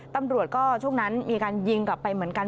ตำรวจก็ช่วงนั้นมีการยิงกลับไปเหมือนกัน